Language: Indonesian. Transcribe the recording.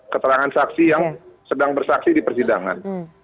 keterangan saksi yang sedang bersaksi di persidangan